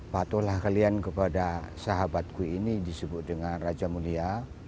patuhlah kalian kepada sahabatku ini disebut dengan raja mulia